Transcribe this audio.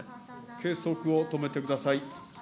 計測を止めてください。